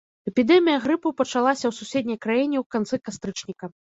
Эпідэмія грыпу пачалася ў суседняй краіне ў канцы кастрычніка.